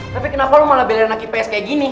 tapi kenapa lo malah beli anak ips kayak gini